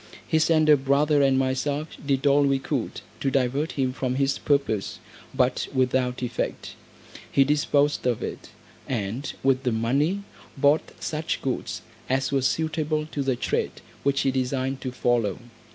His elder brother and myself did all we could to divert him from his purpose, but without effect. He disposed of it, and with the money bought such goods as were suitable to the trade which he designed to follow.